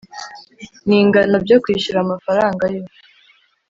n ingano byo kwishyura amafaranga yo